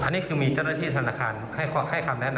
อันนี้คือมีเจ้าหน้าที่ธนาคารให้คำแนะนำ